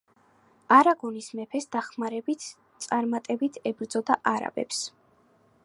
არაგონის მეფის დახმარებით წარმატებით ებრძოდა არაბებს.